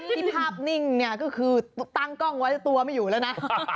ที่ภาพนิ่งเนี่ยก็คือตั้งกล้องไว้ตัวไม่อยู่แล้วนะ